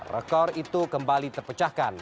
rekor itu kembali terpecahkan